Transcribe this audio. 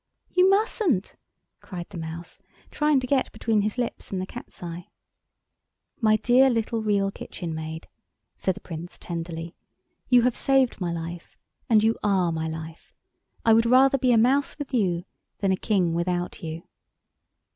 "You mustn't," cried the Mouse, trying to get between his lips and the Cat's eye. "My dear little Real Kitchen Maid," said the Prince tenderly, "you have saved my life—and you are my life. I would rather be a mouse with you than a king without you!"